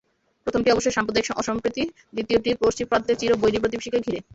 প্রথমটি অবশ্যই সাম্প্রদায়িক অসম্প্রীতি, দ্বিতীয়টি পশ্চিম প্রান্তের চির বৈরী প্রতিবেশীকে ঘিরে।